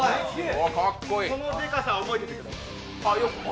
このでかさ、覚えておいてください。